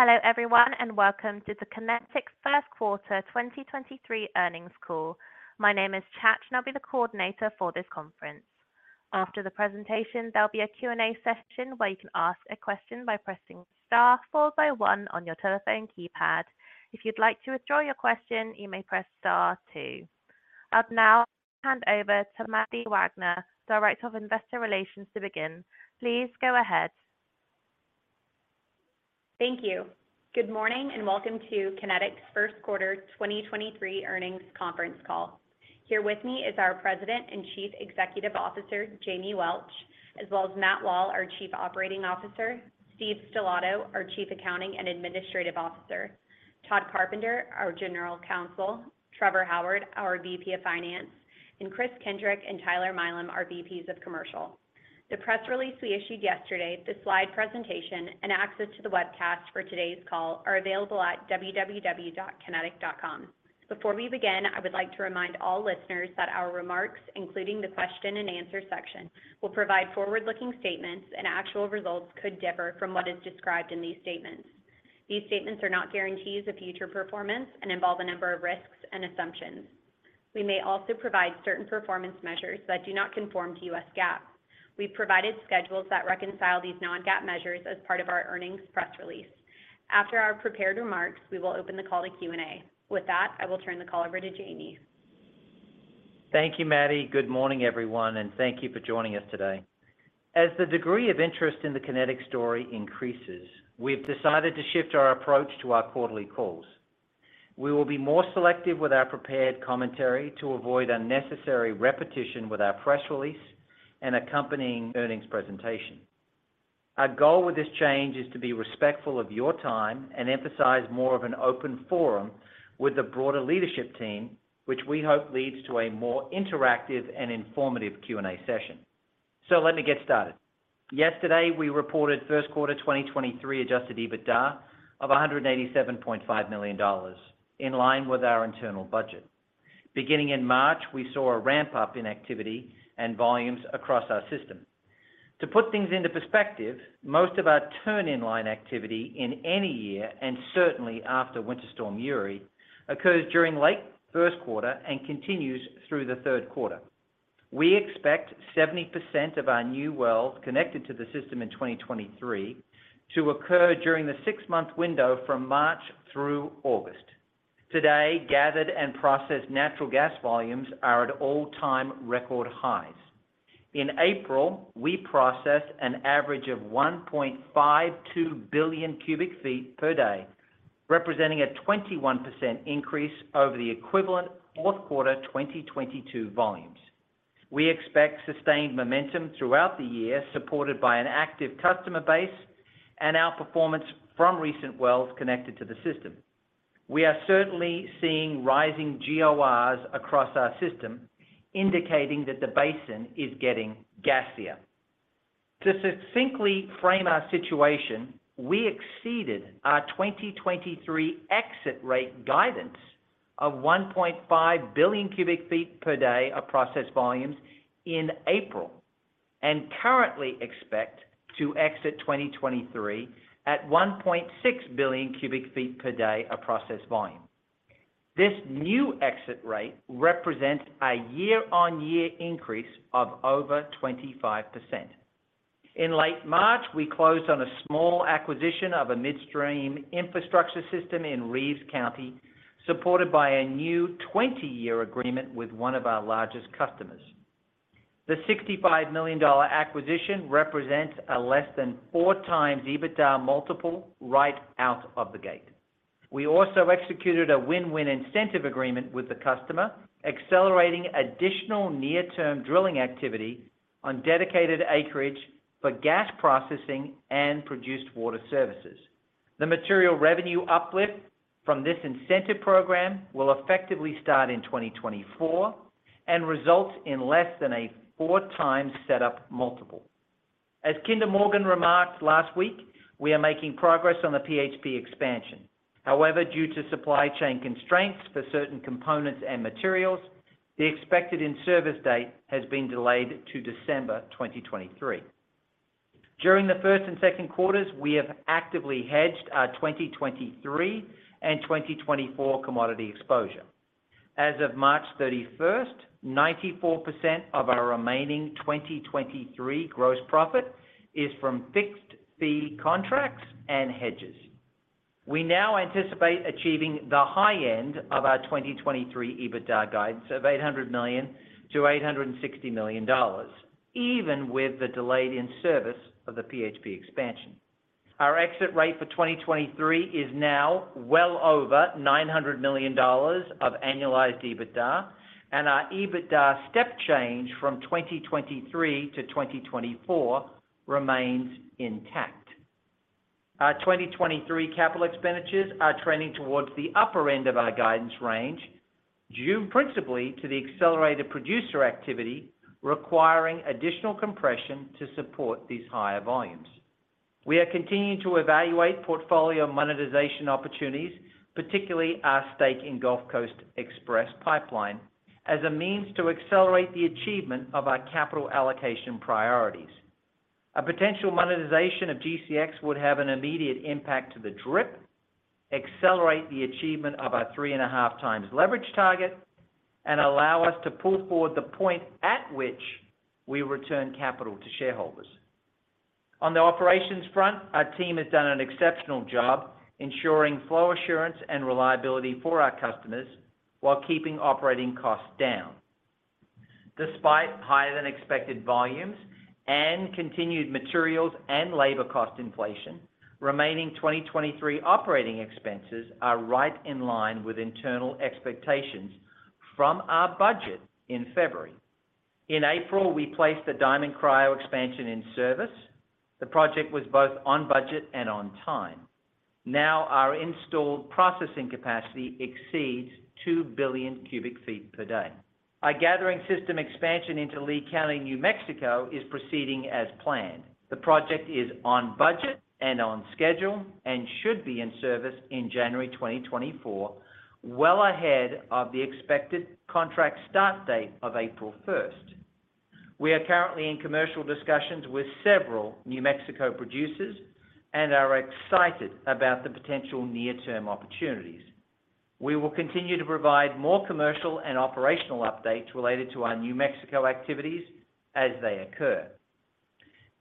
Hello, everyone, welcome to the Kinetik first quarter 2023 earnings call. My name is Chach and I'll be the Coordinator for this conference. After the presentation, there'll be a Q&A session where you can ask a question by pressing star followed by one on your telephone keypad. If you'd like to withdraw your question, you may press star two. I would now, hand over to Madeleine Wagner, Director of Investor Relations to begin. Please go ahead. Thank you. Good morning and welcome to Kinetik's first quarter 2023 earnings conference call. Here with me is our President and Chief Executive Officer, Jamie Welch, as well as Matt Wall, our Chief Operating Officer, Steve Stellato, our Chief Accounting and Administrative Officer, Todd Carpenter, our General Counsel, Trevor Howard, our VP of Finance, and Kris Kindrick and Tyler Milam, our VPs of Commercial. The press release we issued yesterday, the slide presentation and access to the webcast for today's call are available at www.kinetik.com. Before we begin, I would like to remind all listeners that our remarks, including the question and answer section, will provide forward-looking statements and actual results could differ from what is described in these statements. These statements are not guarantees of future performance and involve a number of risks and assumptions. We may also provide certain performance measures that do not conform to US GAAP. We've provided schedules that reconcile these non-GAAP measures as part of our earnings press release. After our prepared remarks, we will open the call to Q&A. With that, I will turn the call over to Jamie. Thank you, Madeleine. Good morning, everyone, thank you for joining us today. As the degree of interest in the Kinetik story increases, we've decided to shift our approach to our quarterly calls. We will be more selective with our prepared commentary to avoid unnecessary repetition with our press release and accompanying earnings presentation. Our goal with this change is to be respectful of your time and emphasize more of an open forum with the broader leadership team, which we hope leads to a more interactive and informative Q&A session. Let me get started. Yesterday, we reported first quarter 2023 Adjusted EBITDA of $187.5 million in line with our internal budget. Beginning in March, we saw a ramp-up in activity and volumes across our system. To put things into perspective, most of our turn in line activity in any year, and certainly after Winter Storm Uri, occurs during late first quarter and continues through the third quarter. We expect 70% of our new wells connected to the system in 2023 to occur during the six-month window from March through August. Today, gathered and processed natural gas volumes are at all-time record highs. In April, we processed an average of 1.52 billion cubic feet per day, representing a 21% increase over the equivalent fourth quarter 2022 volumes. We expect sustained momentum throughout the year, supported by an active customer base and our performance from recent wells connected to the system. We are certainly seeing rising GORs across our system, indicating that the basin is getting gassier. To succinctly frame our situation, we exceeded our 2023 exit rate guidance of 1.5 billion cubic feet per day of processed volumes in April, and currently expect to exit 2023 at 1.6 billion cubic feet per day of processed volume. This new exit rate represents a year-over-year increase of over 25%. In late March, we closed on a small acquisition of a midstream infrastructure system in Reeves County, supported by a new 20-year agreement with one of our largest customers. The $65 million acquisition represents a less than 4x EBITDA multiple right out of the gate. We also executed a win-win incentive agreement with the customer, accelerating additional near-term drilling activity on dedicated acreage for gas processing and produced water services. The material revenue uplift from this incentive program will effectively start in 2024 and results in less than a 4x set up multiple. As Kinder Morgan remarked last week, we are making progress on the PHP expansion. Due to supply chain constraints for certain components and materials, the expected in-service date has been delayed to December 2023. During the first and second quarters, we have actively hedged our 2023 and 2024 commodity exposure. As of March 31st, 94% of our remaining 2023 gross profit is from fixed fee contracts and hedges. We now anticipate achieving the high end of our 2023 EBITDA guidance of $800 million-$860 million, even with the delayed in-service of the PHP expansion. Our exit rate for 2023 is now well over $900 million of annualized EBITDA, and our EBITDA step change from 2023 to 2024 remains intact. Our 2023 capital expenditures are trending towards the upper end of our guidance range, due principally to the accelerated producer activity requiring additional compression to support these higher volumes. We are continuing to evaluate portfolio monetization opportunities, particularly our stake in Gulf Coast Express Pipeline. As a means to accelerate the achievement of our capital allocation priorities. A potential monetization of GCX would have an immediate impact to the DRIP, accelerate the achievement of our 3.5 times leverage target, and allow us to pull forward the point at which we return capital to shareholders. On the operations front, our team has done an exceptional job ensuring flow assurance and reliability for our customers while keeping operating costs down. Despite higher than expected volumes and continued materials and labor cost inflation, remaining 2023 operating expenses are right in line with internal expectations from our budget in February. In April, we placed the Diamond Cryo expansion in service. The project was both on budget and on time. Now our installed processing capacity exceeds 2 billion cubic feet per day. Our gathering system expansion into Lea County, New Mexico is proceeding as planned. The project is on budget and on schedule and should be in service in January 2024, well ahead of the expected contract start date of April first. We are currently in commercial discussions with several New Mexico producers and are excited about the potential near-term opportunities. We will continue to provide more commercial and operational updates related to our New Mexico activities as they occur.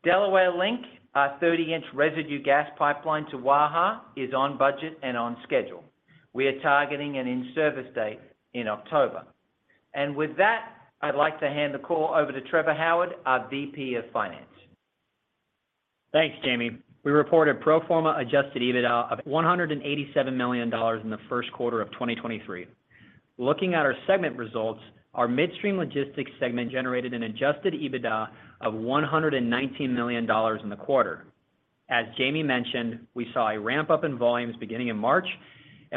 Delaware Link, our 30-inch residue gas pipeline to Waha, is on budget and on schedule. We are targeting an in-service date in October. With that, I'd like to hand the call over to Trevor Howard, our VP of Finance. Thanks, Jamie. We reported pro forma Adjusted EBITDA of $187 million in the first quarter of 2023. Looking at our segment results, our Midstream Logistics segment generated an Adjusted EBITDA of $119 million in the quarter. As Jamie mentioned, we saw a ramp-up in volumes beginning in March.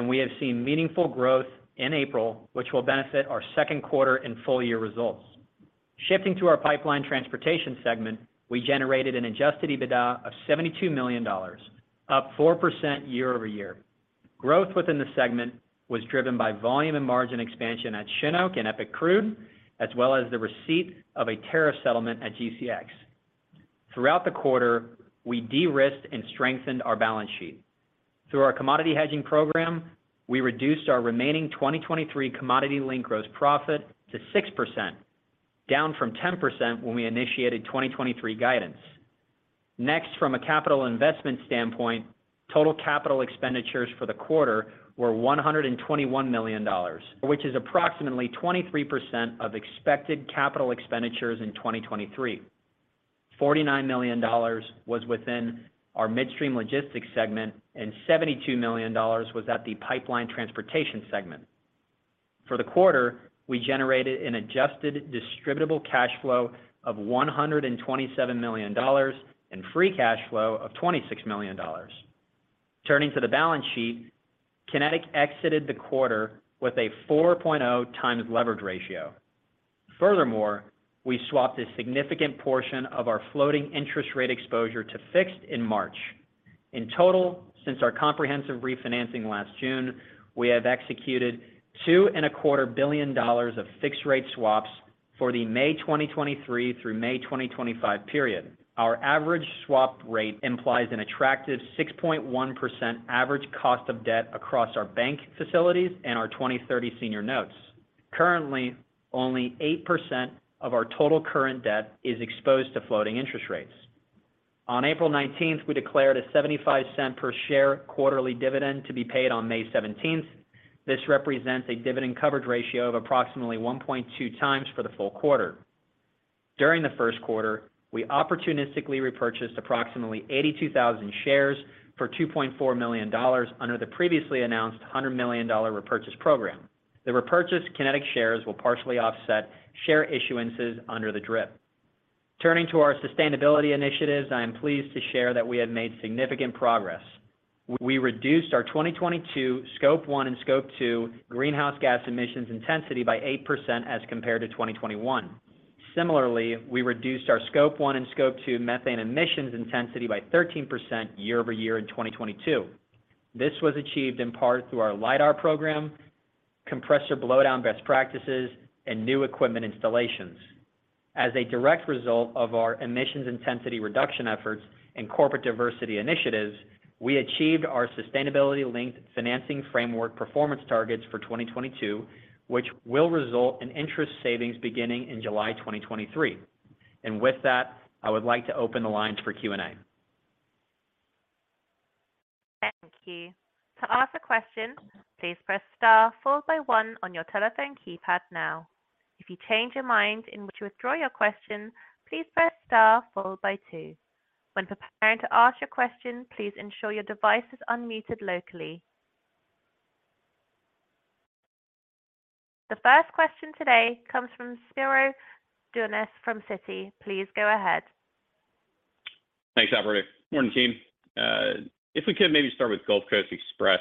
We have seen meaningful growth in April, which will benefit our second quarter and full year results. Shifting to our Pipeline Transportation segment, we generated an Adjusted EBITDA of $72 million, up 4% year-over-year. Growth within the segment was driven by volume and margin expansion at Chinook and EPIC Crude, as well as the receipt of a tariff settlement at GCX. Throughout the quarter, we de-risked and strengthened our balance sheet. Through our commodity hedging program, we reduced our remaining 2023 commodity link gross profit to 6%, down from 10% when we initiated 2023 guidance. From a capital investment standpoint, total capital expenditures for the quarter were $121 million, which is approximately 23% of expected capital expenditures in 2023. $49 million was within our Midstream Logistics segment, $72 million was at the Pipeline Transportation segment. For the quarter, we generated an Adjusted Distributable Cash Flow of $127 million and free cash flow of $26 million. Turning to the balance sheet, Kinetik exited the quarter with a 4.0 times leverage ratio. We swapped a significant portion of our floating interest rate exposure to fixed in March. In total, since our comprehensive refinancing last June, we have executed two and a quarter billion dollars of fixed rate swaps for the May 2023 through May 2025 period. Our average swap rate implies an attractive 6.1% average cost of debt across our bank facilities and our 2030 senior notes. Currently, only 8% of our total current debt is exposed to floating interest rates. On April 19th, we declared a $0.75 per share quarterly dividend to be paid on May 17th. This represents a dividend coverage ratio of approximately 1.2 times for the full quarter. During the first quarter, we opportunistically repurchased approximately 82,000 shares for $2.4 million under the previously announced $100 million repurchase program. The repurchased Kinetik shares will partially offset share issuances under the DRIP. Turning to our sustainability initiatives, I am pleased to share that we have made significant progress. We reduced our 2022 Scope 1 and Scope 2 greenhouse gas emissions intensity by 8% as compared to 2021. Similarly, we reduced our Scope 1 and Scope 2 methane emissions intensity by 13% year-over-year in 2022. This was achieved in part through our LIDAR program, compressor blow down best practices, and new equipment installations. As a direct result of our emissions intensity reduction efforts and corporate diversity initiatives, we achieved our Sustainability-Linked Financing Framework performance targets for 2022, which will result in interest savings beginning in July 2023. With that, I would like to open the lines for Q&A. Thank you. To ask a question, please press star followed by one on your telephone keypad now. If you change your mind and wish to withdraw your question, please press star followed by two. When preparing to ask your question, please ensure your device is unmuted locally. The first question today comes from Spiro Dounis from Citi. Please go ahead. Thanks, operator. Morning, team. If we could maybe start with Gulf Coast Express.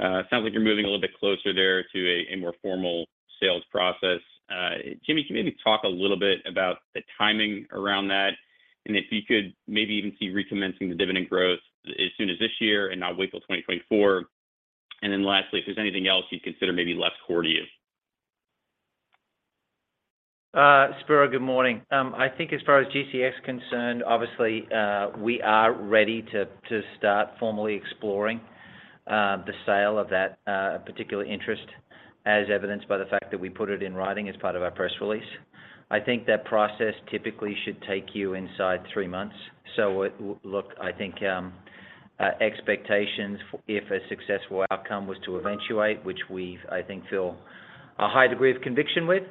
It sounds like you're moving a little bit closer there to a more formal sales process. Jamie, can you maybe talk a little bit about the timing around that? If you could maybe even see recommencing the dividend growth as soon as this year and not wait till 2024. Lastly, if there's anything else you'd consider maybe less core to you. Spiro, good morning. I think as far as GCX concerned, obviously, we are ready to start formally exploring the sale of that particular interest as evidenced by the fact that we put it in writing as part of our press release. I think that process typically should take you inside three months. I think expectations if a successful outcome was to eventuate, which I think feel a high degree of conviction with,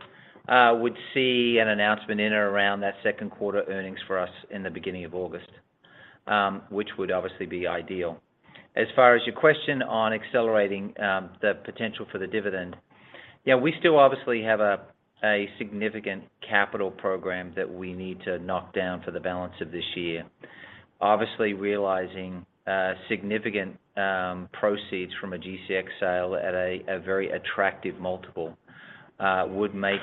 we'd see an announcement in or around that second quarter earnings for us in the beginning of August, which would obviously be ideal. As far as your question on accelerating the potential for the dividend. Yeah, we still obviously have a significant capital program that we need to knock down for the balance of this year. Obviously, realizing significant proceeds from a GCX sale at a very attractive multiple would make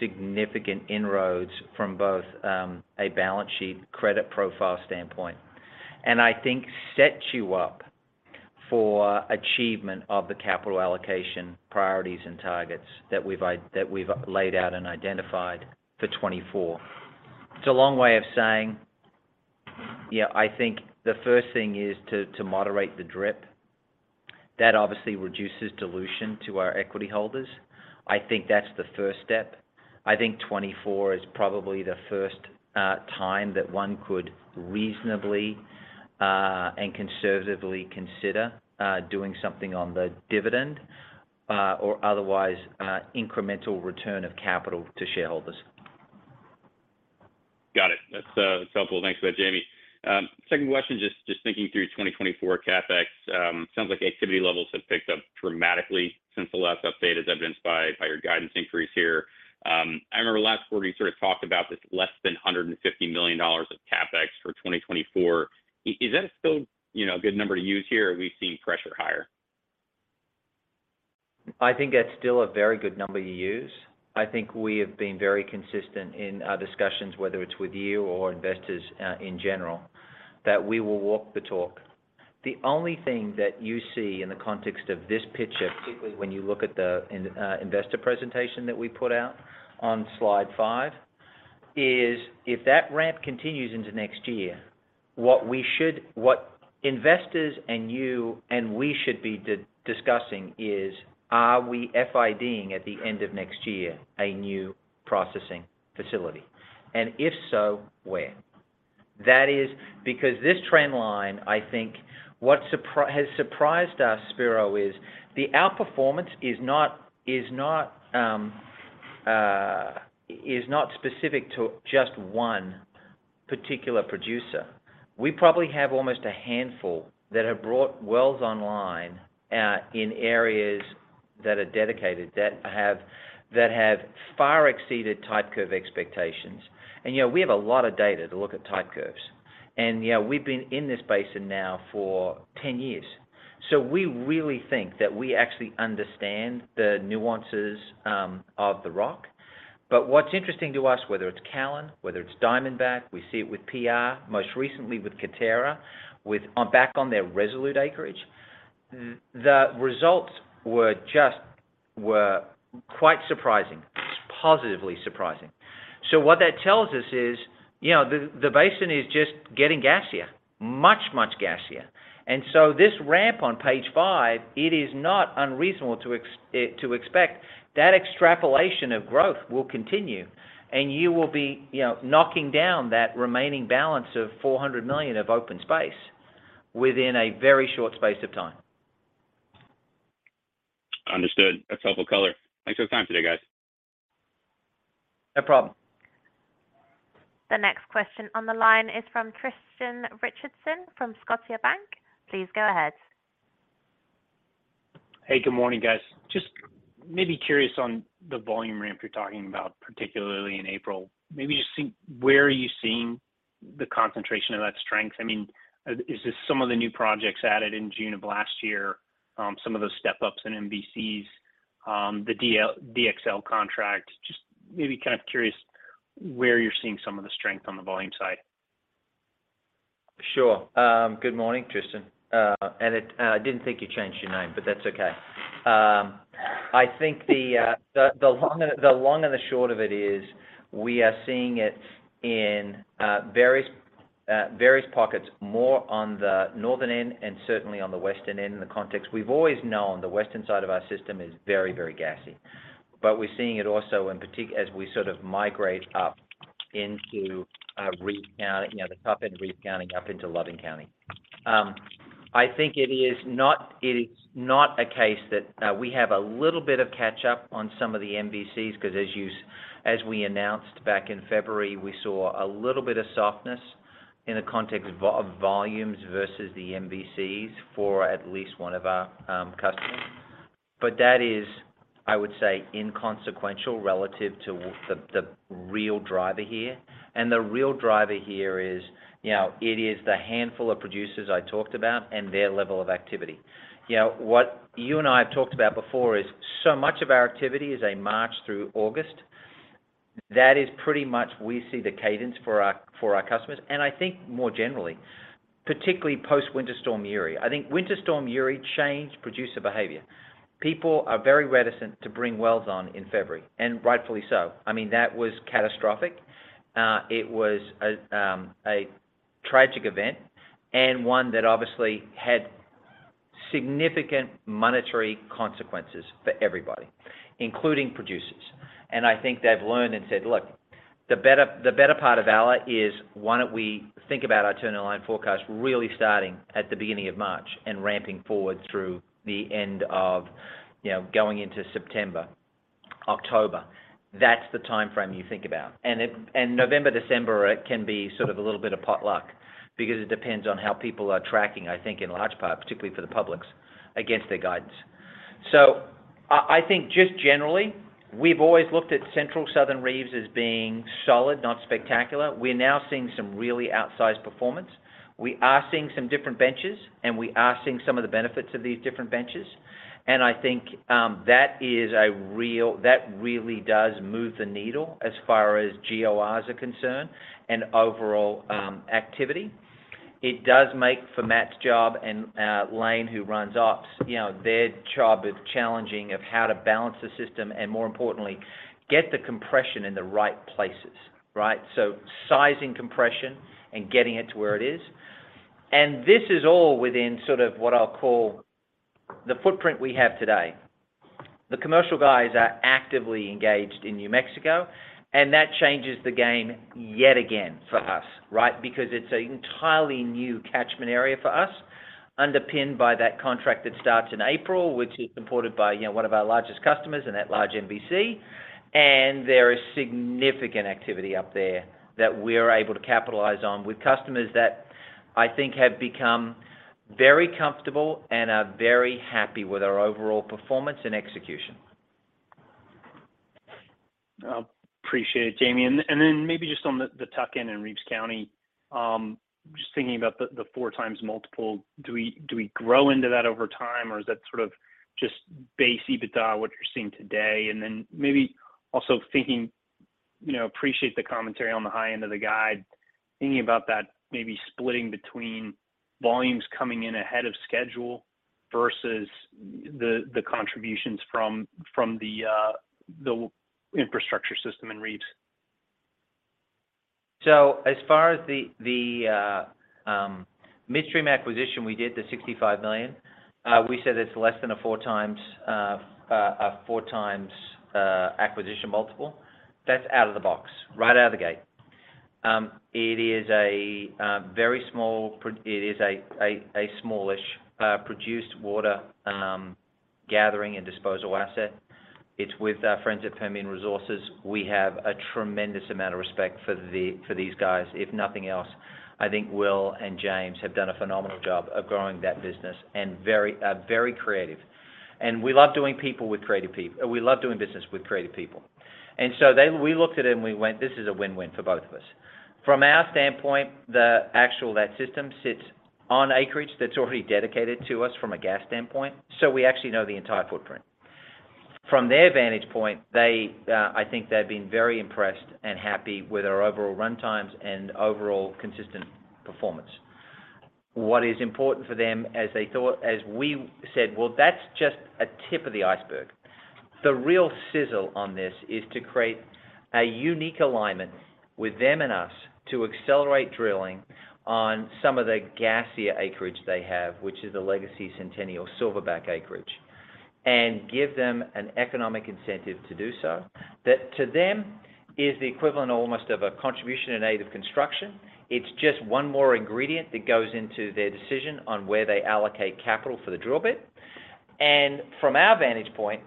significant inroads from both a balance sheet credit profile standpoint. I think sets you up for achievement of the capital allocation priorities and targets that we've laid out and identified for 2024. It's a long way of saying, yeah, I think the first thing is to moderate the DRIP. That obviously reduces dilution to our equity holders. I think that's the first step. I think 2024 is probably the first time that one could reasonably and conservatively consider doing something on the dividend or otherwise incremental return of capital to shareholders. Got it. That's helpful. Thanks for that, Jamie. Second question, just thinking through 2024 CapEx, sounds like activity levels have picked up dramatically since the last update, as evidenced by your guidance increase here. I remember last quarter you sort of talked about this less than $150 million of CapEx for 2024. Is that still, you know, a good number to use here? Or are we seeing pressure higher? I think that's still a very good number to use. I think we have been very consistent in our discussions, whether it's with you or investors, in general, that we will walk the talk. The only thing that you see in the context of this picture, particularly when you look at the investor presentation that we put out on slide five, is if that ramp continues into next year, what investors and you and we should be discussing is, are we FID-ing at the end of next year a new processing facility? If so, where? That is because this trend line, I think what has surprised us, Spiro, is the outperformance is not specific to just one particular producer. We probably have almost a handful that have brought wells online in areas that have far exceeded type curve expectations. You know, we have a lot of data to look at type curves. You know, we've been in this basin now for 10 years. We really think that we actually understand the nuances of the rock. What's interesting to us, whether it's Callon, whether it's Diamondback, we see it with PR, most recently with Coterra, with, on back on their Resolute acreage, the results were just, were quite surprising, positively surprising. What that tells us is, you know, the basin is just getting gassier, much, much gassier. This ramp on page five, it is not unreasonable to expect that extrapolation of growth will continue, and you will be, you know, knocking down that remaining balance of $400 million of open space within a very short space of time. Understood. That's helpful color. Thanks for the time today, guys. No problem. The next question on the line is from Tristan Richardson from Scotiabank. Please go ahead. Hey, good morning, guys. Just maybe curious on the volume ramp you're talking about, particularly in April. Maybe just see where are you seeing the concentration of that strength? I mean, is this some of the new projects added in June of last year, some of those step-ups in MBCs, the DXL contract? Just maybe kind of curious where you're seeing some of the strength on the volume side. Sure. Good morning, Tristan. Edit, I didn't think you changed your name, but that's okay. I think the long and the short of it is we are seeing it in various various pockets, more on the northern end and certainly on the western end in the context. We've always known the western side of our system is very, very gassy. We're seeing it also as we sort of migrate up into Reeves County, you know, the top end of Reeves County up into Loving County. I think it is not, it is not a case that we have a little bit of catch up on some of the MBCs, because as we announced back in February, we saw a little bit of softness in the context of volumes versus the MBCs for at least one of our customers. That is, I would say, inconsequential relative to the real driver here. The real driver here is, you know, it is the handful of producers I talked about and their level of activity. You know, what you and I have talked about before is so much of our activity is a march through August. That is pretty much we see the cadence for our, for our customers and I think more generally, particularly post Winter Storm Uri. I think Winter Storm Uri changed producer behavior. People are very reticent to bring wells on in February, rightfully so. I mean, that was catastrophic. It was a tragic event and one that obviously had significant monetary consequences for everybody, including producers. I think they've learned and said, "Look, the better, the better part of valor is why don't we think about our turn in line forecast, really starting at the beginning of March and ramping forward through the end of, you know, going into September, October." That's the timeframe you think about. November, December, it can be sort of a little bit of potluck because it depends on how people are tracking, I think in large part, particularly for the publics against their guidance. I think just generally, we've always looked at Central Southern Reeves as being solid, not spectacular. We're now seeing some really outsized performance. We are seeing some different benches, and we are seeing some of the benefits of these different benches. I think that really does move the needle as far as GORs are concerned and overall activity. It does make for Matt's job and Lane who runs ops, you know, their job is challenging of how to balance the system and more importantly, get the compression in the right places, right? Sizing compression and getting it to where it is. This is all within sort of what I'll call the footprint we have today. The commercial guys are actively engaged in New Mexico. That changes the game yet again for us, right? Because it's an entirely new catchment area for us, underpinned by that contract that starts in April, which is supported by, you know, one of our largest customers and at large MBC. There is significant activity up there that we are able to capitalize on with customers that I think have become very comfortable and are very happy with our overall performance and execution. I appreciate it, Jamie. Then maybe just on the tuck-in in Reeves County, just thinking about the 4x multiple, do we grow into that over time, or is that sort of just base EBITDA, what you're seeing today? Maybe also thinking, you know, appreciate the commentary on the high end of the guide, thinking about that maybe splitting between volumes coming in ahead of schedule versus the contributions from the infrastructure system in Reeves. As far as the midstream acquisition, we did the $65 million. We said it's less than a 4x, a 4x acquisition multiple. That's out of the box, right out of the gate. It is a very small it is a smallish produced water gathering and disposal asset. It's with our friends at Permian Resources. We have a tremendous amount of respect for these guys. If nothing else, I think Will and James have done a phenomenal job of growing that business and very creative. We love doing people with creative we love doing business with creative people. We looked at it and we went, "This is a win-win for both of us." From our standpoint, the actual that system sits on acreage that's already dedicated to us from a gas standpoint, so we actually know the entire footprint. From their vantage point, they, I think they've been very impressed and happy with our overall run times and overall consistent performance. What is important for them as they thought, as we said, "Well, that's just a tip of the iceberg." The real sizzle on this is to create a unique alignment with them and us to accelerate drilling on some of the gassier acreage they have, which is a legacy Centennial Silverback acreage, and give them an economic incentive to do so. That to them is the equivalent almost of a Contribution in Aid of Construction. It's just one more ingredient that goes into their decision on where they allocate capital for the drill bit. From our vantage point,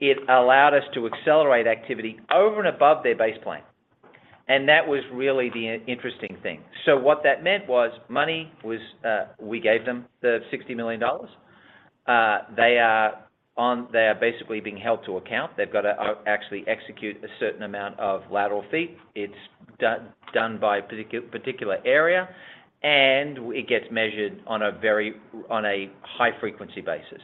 it allowed us to accelerate activity over and above their base plan. That was really the interesting thing. What that meant was money was, we gave them the $60 million. They are basically being held to account. They've got to actually execute a certain amount of lateral feet. It's done by a particular area, and it gets measured on a high-frequency basis.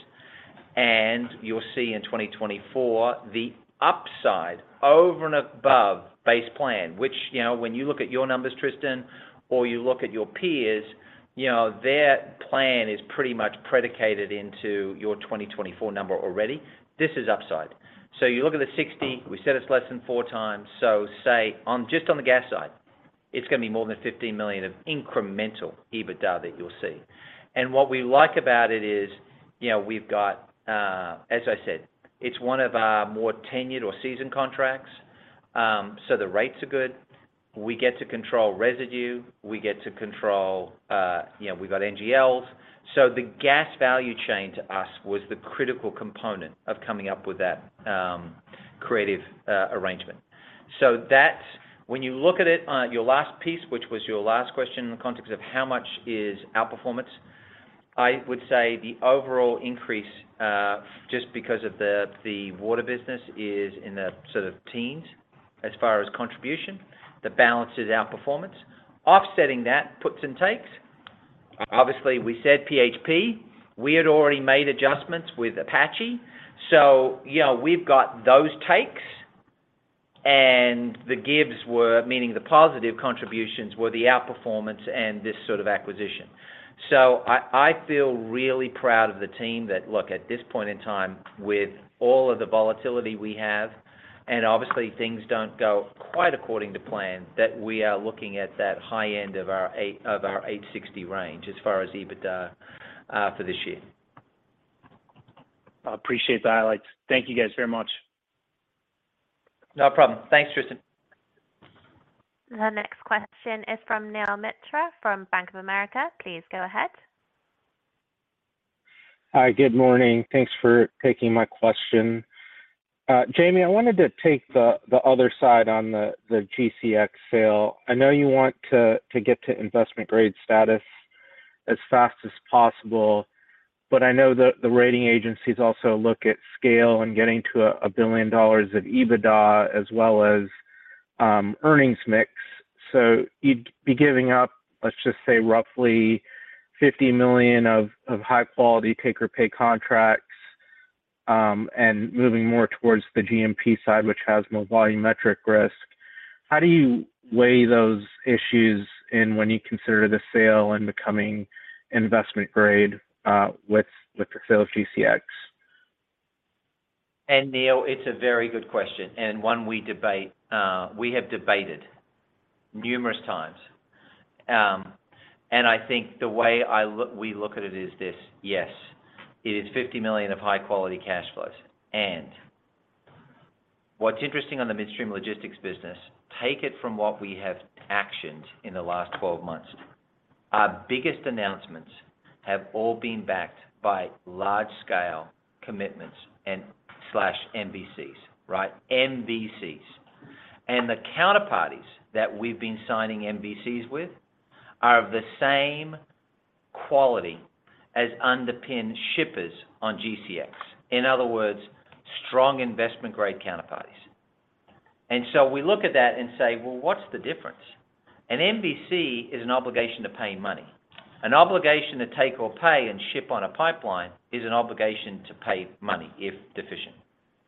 You'll see in 2024, the upside over and above base plan, which, you know, when you look at your numbers, Tristan, or you look at your peers, you know, their plan is pretty much predicated into your 2024 number already. This is upside. You look at the 60, we said it's less than 4 times, say on just on the gas side, it's going to be more than $15 million of incremental EBITDA that you'll see. What we like about it is, you know, we've got, as I said, it's one of our more tenured or seasoned contracts. The rates are good. We get to control residue. We get to control, you know, we've got NGLs. The gas value chain to us was the critical component of coming up with that creative arrangement. That's when you look at it, your last piece, which was your last question in the context of how much is outperformance, I would say the overall increase, just because of the water business is in the sort of teens as far as contribution. The balance is outperformance. Offsetting that puts and takes. Obviously, we said PHP, we had already made adjustments with Apache. You know, we've got those takes and the gives were, meaning the positive contributions, were the outperformance and this sort of acquisition. I feel really proud of the team that look at this point in time with all of the volatility we have, and obviously things don't go quite according to plan, that we are looking at that high end of our of our 860 range as far as EBITDA for this year. I appreciate the highlights. Thank you guys very much. No problem. Thanks, Tristan. The next question is from Neel Mitra from Bank of America. Please go ahead. Hi, good morning. Thanks for taking my question. Jamie, I wanted to take the other side on the GCX sale. I know you want to get to investment grade status as fast as possible, but I know the rating agencies also look at scale and getting to $1 billion of EBITDA as well as earnings mix. You'd be giving up, let's just say roughly $50 million of high quality take or pay contracts and moving more towards the GMP side, which has more volumetric risk. How do you weigh those issues in when you consider the sale and becoming investment grade with the sale of GCX? Neel, it's a very good question and one we debate, we have debated numerous times. I think the way we look at it is this. Yes, it is $50 million of high quality cash flows. What's interesting on the Midstream Logistics business, take it from what we have actioned in the last 12 months. Our biggest announcements have all been backed by large scale commitments and slash MBCs, right? MBCs. The counterparties that we've been signing MBCs with are of the same quality as underpinned shippers on GCX. In other words, strong investment grade counterparties. So we look at that and say, "Well, what's the difference?" An MBC is an obligation to pay money. An obligation to take or pay and ship on a pipeline is an obligation to pay money if deficient.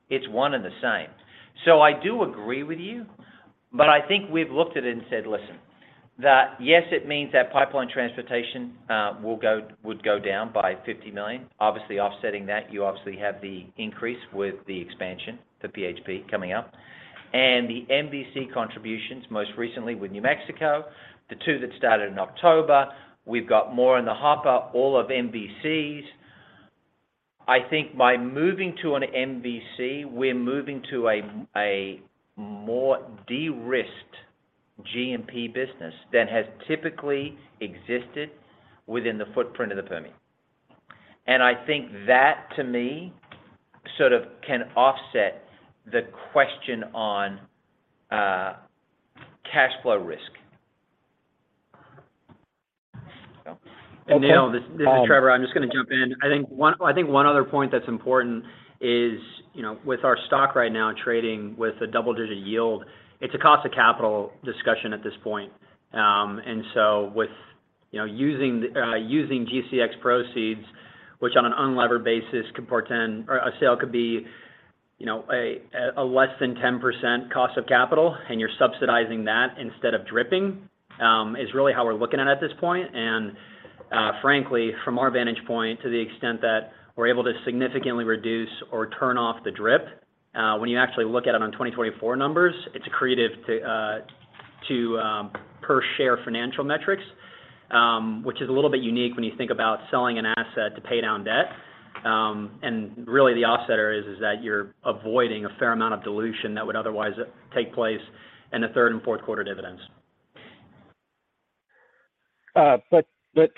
It's one and the same. I do agree with you, but I think we've looked at it and said, listen, that yes, it means that Pipeline Transportation would go down by $50 million. Obviously offsetting that, you obviously have the increase with the expansion, the PHP coming up. The MBC contributions, most recently with New Mexico, the two that started in October, we've got more in the hopper, all of MBCs. I think by moving to an MBC, we're moving to a more de-risked GMP business than has typically existed within the footprint of the Permian. I think that to me, sort of can offset the question on cash flow risk. Neel, this is Trevor Howard. I'm just gonna jump in. I think one other point that's important is, you know, with our stock right now trading with a double-digit yield, it's a cost of capital discussion at this point. With, you know, using GCX proceeds, which on an unlevered basis could portend or a sale could be, you know, a less than 10% cost of capital, and you're subsidizing that instead of DRIP, is really how we're looking at it at this point. Frankly, from our vantage point, to the extent that we're able to significantly reduce or turn off the DRIP, when you actually look at it on 2024 numbers, it's accretive to per share financial metrics, which is a little bit unique when you think about selling an asset to pay down debt. Really the offsetter is that you're avoiding a fair amount of dilution that would otherwise take place in the third and fourth quarter dividends.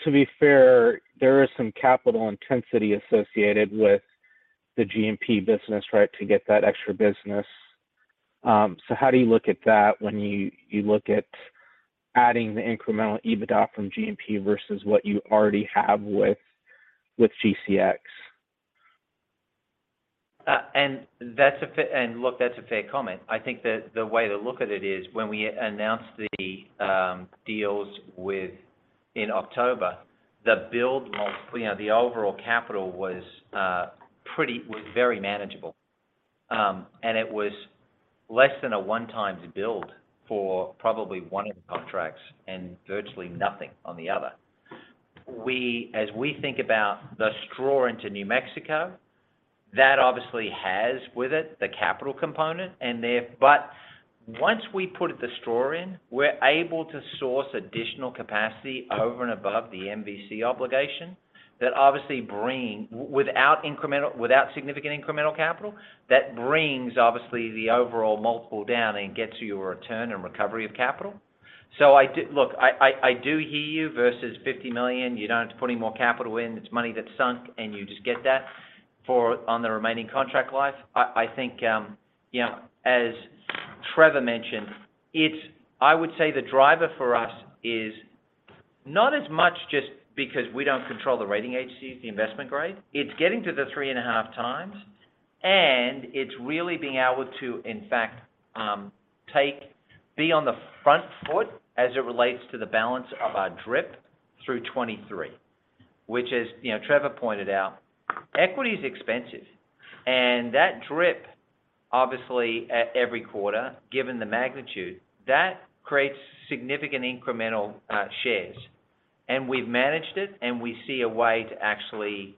To be fair, there is some capital intensity associated with the GMP business, right? To get that extra business. How do you look at that when you look at adding the incremental EBITDA from GMP versus what you already have with GCX? That's a fair comment. I think that the way to look at it is when we announced the deals in October, the build multiple, you know, the overall capital was very manageable. And it was less than a one-time build for probably one of the contracts and virtually nothing on the other. As we think about the straw into New Mexico, that obviously has with it the capital component. Once we put the straw in, we're able to source additional capacity over and above the MBC obligation that obviously bring without significant incremental capital, that brings obviously the overall multiple down and gets you a return and recovery of capital. I do hear you versus $50 million. You don't have to put any more capital in. It's money that's sunk, and you just get that on the remaining contract life. I think, you know, as Trevor Howard mentioned, I would say the driver for us is not as much just because we don't control the rating agencies, the investment grade. It's getting to the 3.5x. It's really being able to, in fact, be on the front foot as it relates to the balance of our DRIP through 23, which as, you know, Trevor Howard pointed out, equity is expensive. That DRIP, obviously at every quarter, given the magnitude, that creates significant incremental shares. We've managed it, and we see a way to actually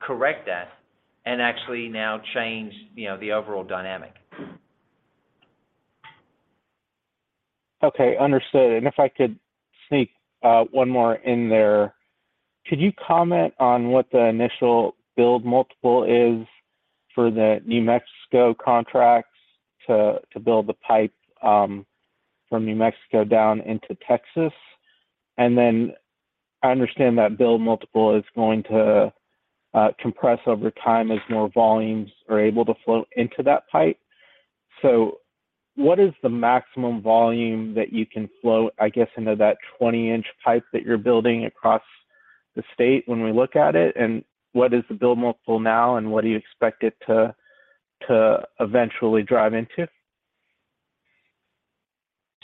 correct that and actually now change, you know, the overall dynamic. Okay, understood. If I could sneak one more in there, could you comment on what the initial build multiple is for the New Mexico contracts to build the pipe from New Mexico down into Texas? I understand that build multiple is going to compress over time as more volumes are able to flow into that pipe. What is the maximum volume that you can flow, I guess, into that 20-inch pipe that you're building across the state when we look at it? What is the build multiple now, and what do you expect it to eventually drive into?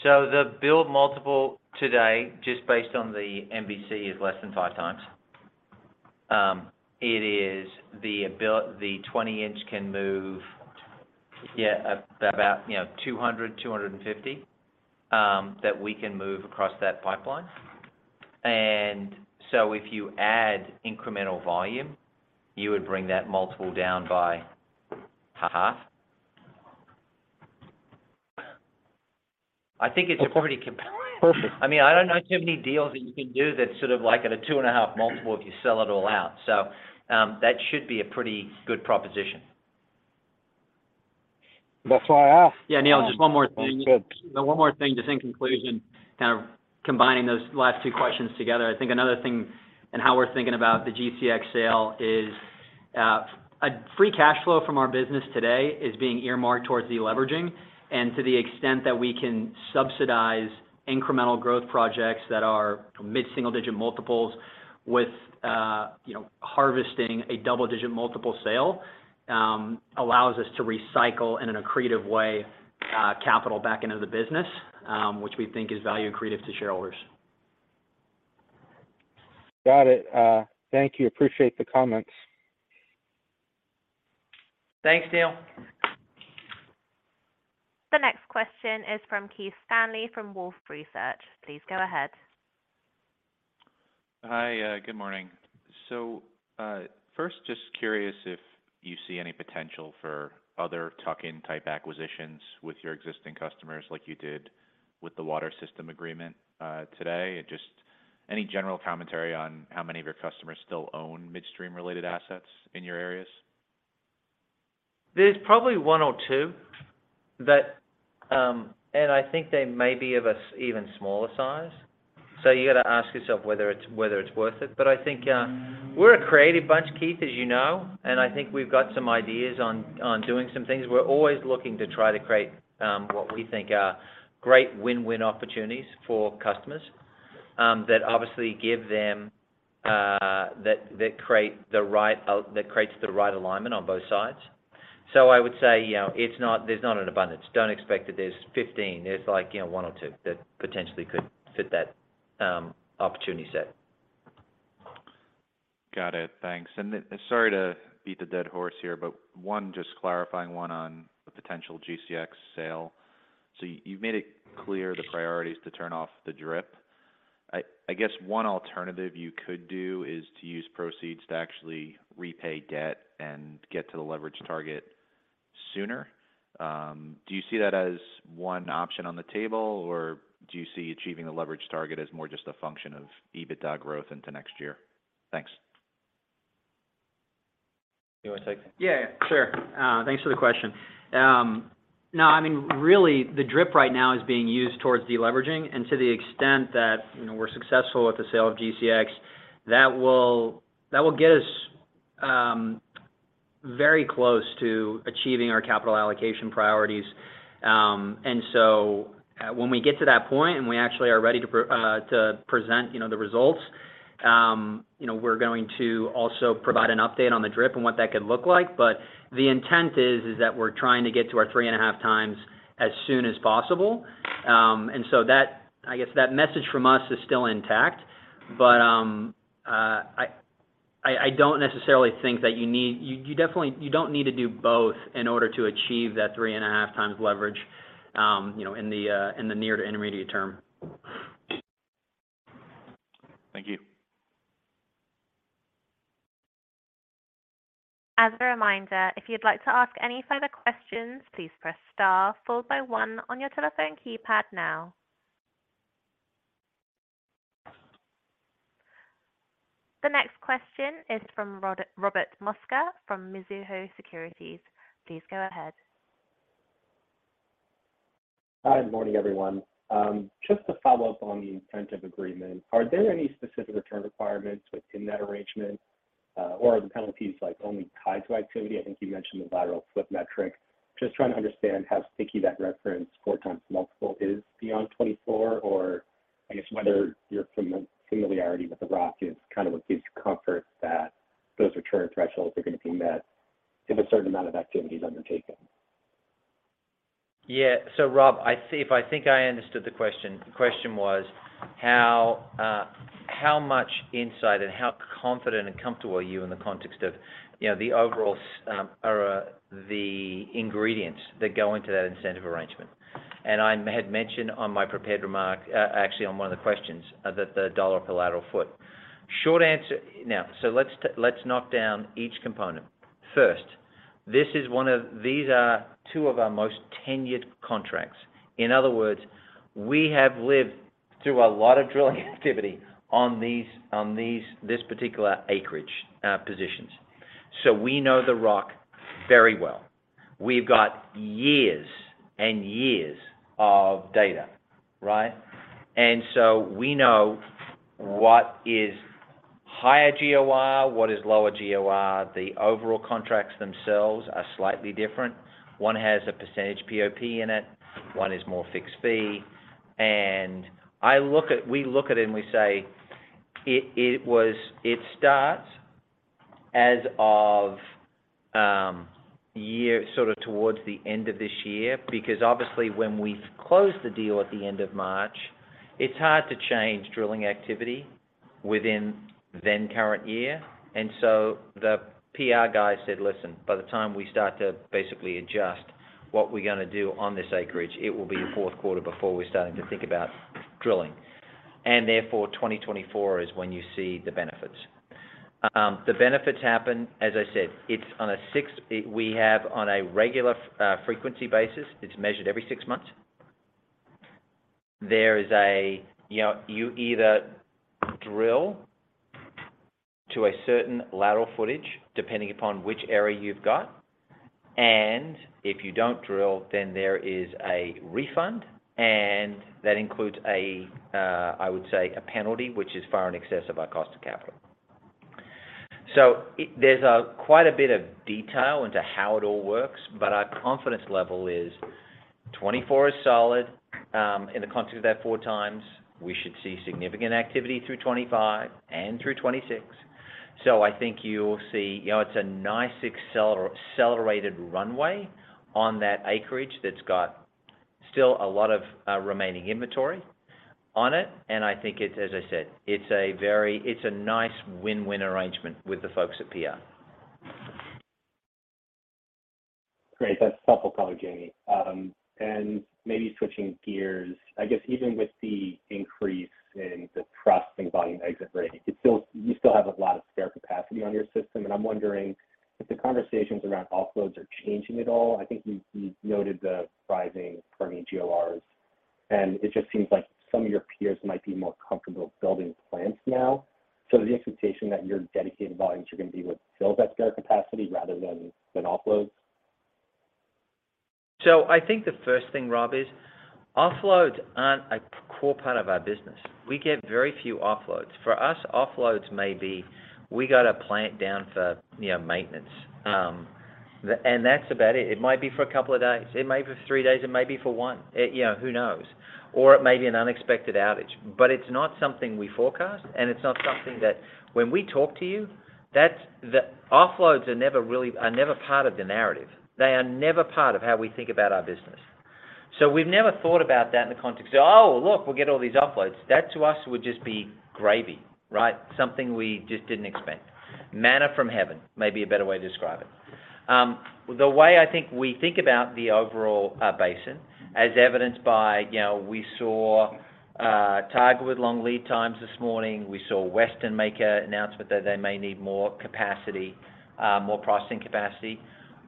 The build multiple today, just based on the MBC, is less than 5x. It is the 20-inch can move, yeah, about, you know, 200, 250, that we can move across that pipeline. If you add incremental volume, you would bring that multiple down by half. I think it's a pretty compelling. Perfect. I mean, I don't know too many deals that you can do that's sort of like at a 2.5x multiple if you sell it all out. That should be a pretty good proposition. That's why I asked. Yeah, Neel, just one more thing. Sounds good. One more thing just in conclusion, kind of combining those last two questions together. I think another thing in how we're thinking about the GCX sale is a free cash flow from our business today is being earmarked towards deleveraging. To the extent that we can subsidize incremental growth projects that are mid-single-digit multiples with, you know, harvesting a double-digit multiple sale, allows us to recycle in an accretive way, capital back into the business, which we think is value accretive to shareholders. Got it. Thank you. Appreciate the comments. Thanks, Neel. The next question is from from Keith Stanley from Wolfe Research. Please go ahead. Hi. Good morning. First, just curious if you see any potential for other tuck-in type acquisitions with your existing customers like you did with the water system agreement today. Just any general commentary on how many of your customers still own midstream-related assets in your areas? There's probably one or two that. I think they may be of an even smaller size. You got to ask yourself whether it's worth it. I think we're a creative bunch, Keith, as you know, and I think we've got some ideas on doing some things. We're always looking to try to create what we think are great win-win opportunities for customers that obviously give them that creates the right alignment on both sides. I would say, you know, there's not an abundance. Don't expect that there's 15. There's like, you know, one or two that potentially could fit that opportunity set. Got it. Thanks. Sorry to beat the dead horse here, but one, just clarifying one on the potential GCX sale. You've made it clear the priority is to turn off the DRIP. I guess one alternative you could do is to use proceeds to actually repay debt and get to the leverage target sooner. Do you see that as one option on the table, or do you see achieving the leverage target as more just a function of EBITDA growth into next year? Thanks. You wanna take that? Yeah. Sure. Thanks for the question. No, I mean, really, the DRIP right now is being used towards deleveraging. To the extent that, you know, we're successful with the sale of GCX, that will get us very close to achieving our capital allocation priorities. When we get to that point and we actually are ready to present, you know, the results, you know, we're going to also provide an update on the DRIP and what that could look like. The intent is that we're trying to get to our 3.5x as soon as possible. That, I guess that message from us is still intact. I don't necessarily think that you need... You definitely don't need to do both in order to achieve that 3.5x leverage, you know, in the near to intermediate term. Thank you. As a reminder, if you'd like to ask any further questions, please press star followed by 1 on your telephone keypad now. The next question is from Robert Mosca from Mizuho Securities. Please go ahead. Hi. Good morning, everyone. Just to follow up on the incentive agreement, are there any specific return requirements within that arrangement? Are the penalties like only tied to activity? I think you mentioned the rate/volume flip metric. Just trying to understand how sticky that referenced 4x multiple is beyond 24, whether your familiarity with the rock is kind of what gives you comfort that those return thresholds are gonna be met if a certain amount of activity is undertaken. Yeah. Robert, I see. If I think I understood the question, the question was how much insight and how confident and comfortable are you in the context of, you know, the overall or the ingredients that go into that incentive arrangement? I had mentioned on my prepared remark, actually on one of the questions, that the dollar per lateral foot. Short answer. Now, let's knock down each component. First, these are two of our most tenured contracts. In other words, we have lived through a lot of drilling activity on these, this particular acreage positions. We know the rock very well. We've got years and years of data, right? We know what is higher GOR, what is lower GOR. The overall contracts themselves are slightly different. One has a POP % in it, one is more fixed fee. We look at it and we say it starts as of sort of towards the end of this year, because obviously when we closed the deal at the end of March, it's hard to change drilling activity within then current year. The PR guy said, "Listen, by the time we start to basically adjust what we're gonna do on this acreage, it will be fourth quarter before we're starting to think about drilling." Therefore, 2024 is when you see the benefits. The benefits happen, as I said, it's on a regular frequency basis, it's measured every six months. There is a, you know, you either drill to a certain lateral footage depending upon which area you've got, and if you don't drill, then there is a refund. That includes a, I would say a penalty, which is far in excess of our cost of capital. There's quite a bit of detail into how it all works, but our confidence level is 24 is solid. In the context of that 4x, we should see significant activity through 2025 and through 2026. I think you'll see, you know, it's a nice accelerated runway on that acreage that's got still a lot of, remaining inventory on it. I think it's, as I said, it's a nice win-win arrangement with the folks at PR. Great. That's helpful. Thanks, Jamie. Maybe switching gears, I guess even with the increase in the trust and volume exit rate, you still have a lot of spare capacity on your system, and I'm wondering if the conversations around offloads are changing at all. I think you've noted the rising permitting GORs, and it just seems like some of your peers might be more comfortable building plants now. Is the expectation that your dedicated volumes are gonna be what fills that spare capacity rather than offloads? I think the first thing, Robert, is offloads aren't a core part of our business. We get very few offloads. For us, offloads may be, we got a plant down for, you know, maintenance, and that's about it. It might be for a couple of days. It may be for three days. It may be for one. You know, who knows? Or it may be an unexpected outage. It's not something we forecast, and it's not something that when we talk to you, that's the... Offloads are never part of the narrative. They are never part of how we think about our business. We've never thought about that in the context, "Oh, look, we'll get all these offloads." That to us would just be gravy, right? Something we just didn't expect. Manna from heaven, may be a better way to describe it. The way I think we think about the overall basin, as evidenced by, you know, we saw Tiger with long lead times this morning. We saw Western make an announcement that they may need more capacity, more processing capacity.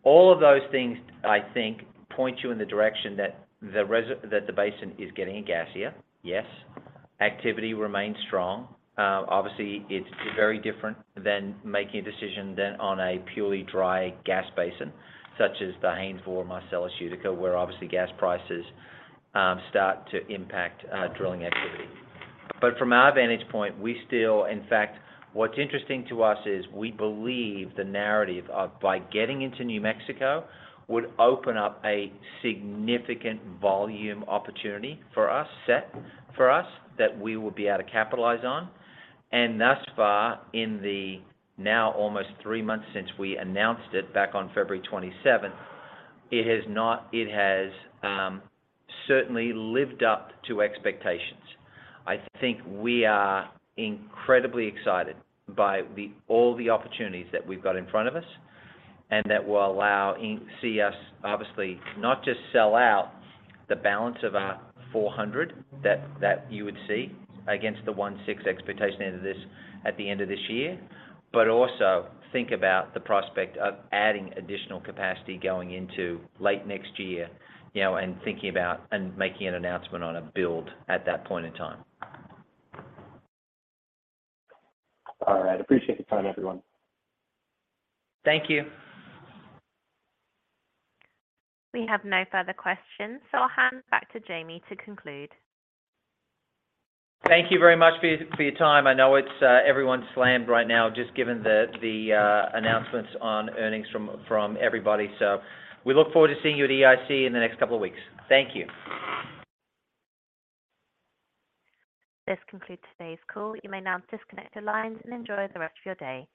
All of those things, I think, point you in the direction that the basin is getting gassier. Yes. Activity remains strong. obviously, it's very different than making a decision than on a purely dry gas basin, such as the Haynesville or Marcellus Utica, where obviously gas prices, start to impact drilling activity. From our vantage point, we still, in fact, what's interesting to us is we believe the narrative of by getting into New Mexico would open up a significant volume opportunity for us, set for us, that we would be able to capitalize on. Thus far in the now almost three months since we announced it back on February 27th, it has certainly lived up to expectations. I think we are incredibly excited by all the opportunities that we've got in front of us and that will allow and see us obviously not just sell out the balance of our 400 that you would see against the 1.6 expectation at the end of this year, but also think about the prospect of adding additional capacity going into late next year, you know, and thinking about and making an announcement on a build at that point in time. All right. Appreciate your time, everyone. Thank you. We have no further questions, so I'll hand back to Jamie to conclude. Thank you very much for your, for your time. I know it's everyone's slammed right now just given the announcements on earnings from everybody. We look forward to seeing you at EIC in the next couple of weeks. Thank you. This concludes today's call. You may now disconnect your lines and enjoy the rest of your day.